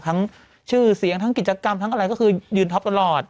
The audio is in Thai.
ชื่อเสียงทั้งกิจกรรมทั้งอะไรก็คือยืนท็อปตลอด